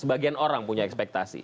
sebagian orang punya ekspektasi